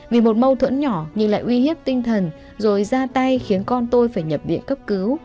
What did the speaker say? vì một mâu thuẫn nhỏ nhưng lại uy hiếp tinh thần rồi ra tay khiến con tôi phải nhập viện cấp cứu